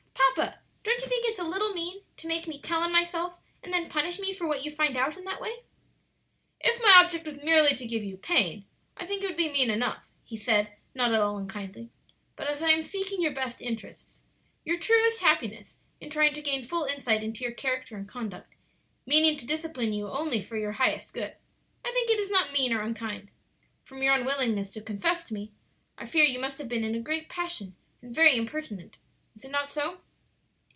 "Papa, don't you think it's a little mean to make me tell on myself and then punish me for what you find out in that way?" "If my object was merely to give you pain, I think it would be mean enough," he said, not at all unkindly; "but as I am seeking your best interests your truest happiness in trying to gain full insight into your character and conduct, meaning to discipline you only for your highest good, I think it is not mean or unkind. From your unwillingness to confess to me, I fear you must have been in a great passion and very impertinent. Is it not so?"